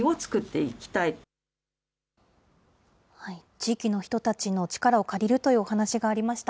地域の人たちの力を借りるというお話がありました。